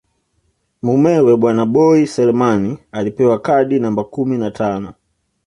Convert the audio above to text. Mumewe bwana Boi Selemani alipewa kadi namba kumi na tano